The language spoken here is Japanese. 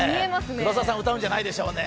黒澤さん、歌うんじゃないんでしょうね。